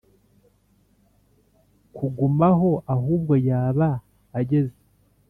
kugumaho ahubwo yaba ageze